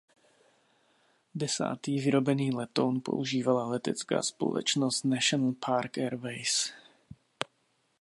Desátý vyrobený letoun používala letecká společnost National Park Airways.